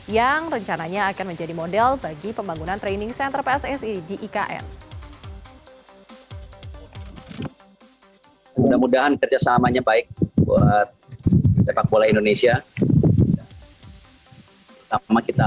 jepang memiliki tiga perusahaan yang diperlukan untuk membangun sepak bola wanita